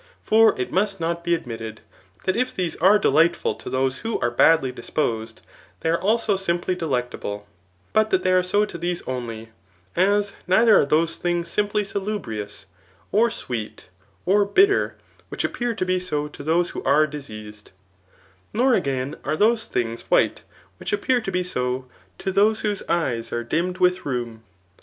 For it must not be admitted, that if these are delightful to those who are badly disposed, they are also simply delectable, but that they are so to these only; as neither are those things simply salubrious, or sweet, or bitter, which appear to be so to those who are dis eased ; nor, again, are those things white which appear to be so to those whose eyes are dimmed with rheum.